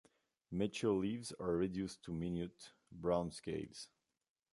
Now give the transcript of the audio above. Mature leaves are reduced to minute, brown scales.